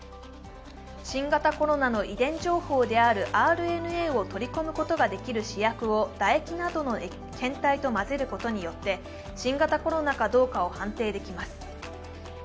新型コロナの遺伝子であるＲＮＡを取り込むことができる試薬を唾液などの検体と混ぜることによって新型コロナかどうかを判定できます。